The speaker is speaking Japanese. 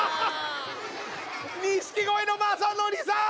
錦鯉の雅紀さん！